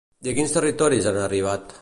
I a quins territoris han arribat?